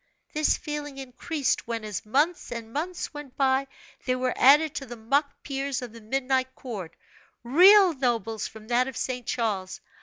This feeling increased when, as months and months went by, they were added to the mock peers of the Midnight Court, real nobles from that of St. Charles.